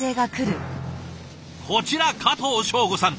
こちら加藤彰悟さん。